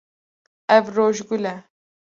Ev rojgul e.